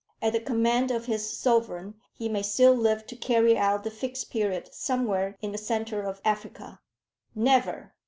At the command of his Sovereign he may still live to carry out the Fixed Period somewhere in the centre of Africa." "Never!"